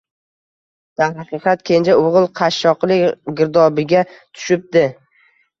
Darhaqiqat, kenja o'g'il qashshoqlik girdobiga tushibdi